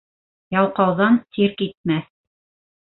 Ялҡауҙан сир китмәҫ.